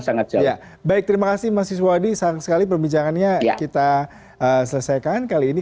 sangat siap baik terima kasih mas iswadi sayang sekali perbincangannya kita selesaikan kali ini